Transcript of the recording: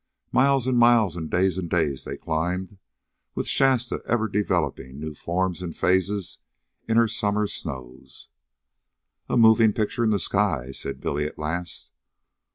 Miles and miles and days and days they climbed, with Shasta ever developing new forms and phases in her summer snows. "A moving picture in the sky," said Billy at last.